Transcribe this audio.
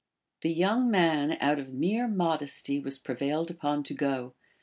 The young man out of mere modesty was prevailed upon to go, and » Eurip.